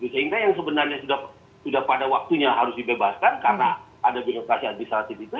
sehingga yang sebenarnya sudah pada waktunya harus dibebaskan karena ada birokrasi administratif itu